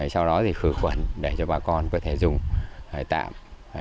sau đó thì khử khuẩn để cho bà con có thể dùng tạm